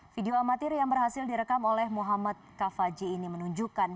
video amatir yang berhasil direkam oleh muhammad kavaji ini menunjukkan